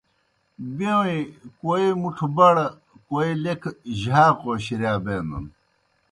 بَیؤں کوئی مُٹھہ بڑہ کوئی لیکھہ جھاقو شِرِیا بینَن۔